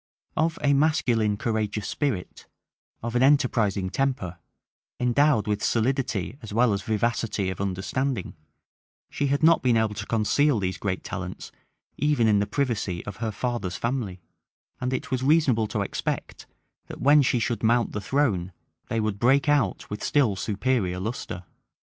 Of a masculine, courageous spirit, of an enterprising temper, endowed with solidity as well as vivacity of understanding, she had not been able to conceal these great talents even in the privacy of her father's family; and it was reasonable to expect, that when she should mount the throne, they would break out with still superior lustre.